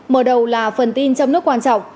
mở đầu là phần tin trong nước quan trọng